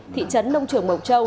thị trấn nông trường mộc châu